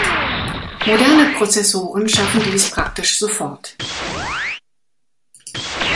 Moderne Prozessoren schaffen dies praktisch sofort.